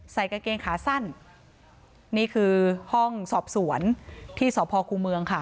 กางเกงขาสั้นนี่คือห้องสอบสวนที่สพครูเมืองค่ะ